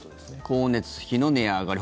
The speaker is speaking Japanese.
光熱費の値上がり。